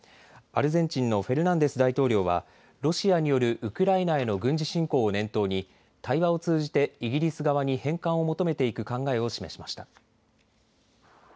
アルゼンチンのフェルナンデス大統領はロシアによるウクライナへの軍事侵攻を念頭に対話を通じてイギリス側に返還を求めていく考えを示しました。